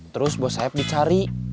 terus bos haib dicari